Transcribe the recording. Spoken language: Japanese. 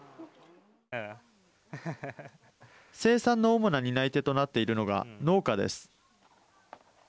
生産の主な担い手となっているのが農家です。